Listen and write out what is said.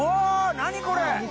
何これ！